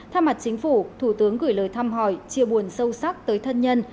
tha mặt chính phủ thủ tướng gửi lời thăm hỏi chia buồn sâu sắc tới thân nhân